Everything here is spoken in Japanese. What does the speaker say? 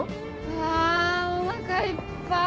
あおなかいっぱい！